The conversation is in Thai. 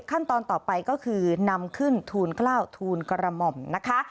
ขั้นตอนต่อไปก็คือนำขึ้นทูลกล้าวทูลกระหม่อมนะคะ